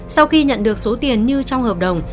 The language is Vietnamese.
sau khi nhận được số tiền như trong hợp đồng